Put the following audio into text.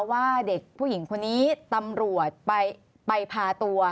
ว่าเด็กผู้หญิงคนนี้ตำรวจไปพาตัว